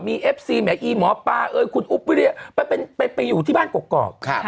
มีเอฟซีแหมอีหมอปลาเอ่ยคุณอุ๊บวิเรียไปอยู่ที่บ้านกรอก